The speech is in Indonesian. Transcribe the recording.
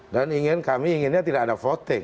dan ingin kami inginnya tidak ada voting